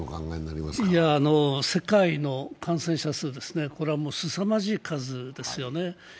世界の感染者数はすさまじい数ですよね。